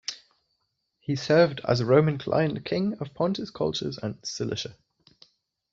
He served as a Roman Client King of Pontus, Colchis and Cilicia.